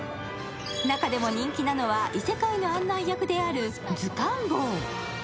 中でも人気なのは、異世界の案内役である図鑑坊。